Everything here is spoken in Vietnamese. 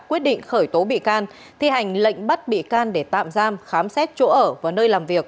quyết định khởi tố bị can thi hành lệnh bắt bị can để tạm giam khám xét chỗ ở và nơi làm việc